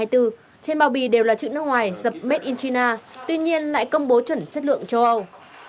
trên bao bì đều là chữ nước ngoài dập made in china tuy nhiên lại công bố chuẩn chất lượng châu âu